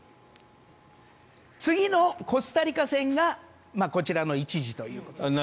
次のコスタリカ戦がこちらの１時ということです。